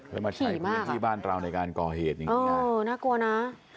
แล้วมาใช้พื้นที่บ้านเราในการก่อเหตุอย่างนี้เออน่ากลัวนะ